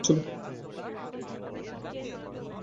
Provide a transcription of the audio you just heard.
বিহারী কহিল, না, ঠাট্টা নয়, এখনি বাড়ি চলো।